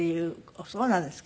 そうなんですか？